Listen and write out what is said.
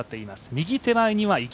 右手前には池。